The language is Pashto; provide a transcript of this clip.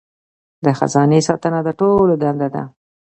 د خزانې ساتنه د ټولو دنده ده.